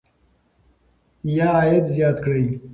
یا عاید زیات کړئ.